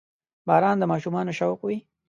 • باران د ماشومانو شوق وي.